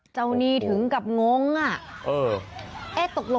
หนี้ถึงกับงงอ่ะ